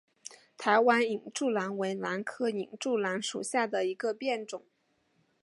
台湾隐柱兰为兰科隐柱兰属下的一个变种。